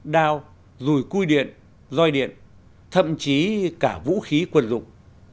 đao rùi cui điện roi điện thậm chí cả vũ khí quân dụng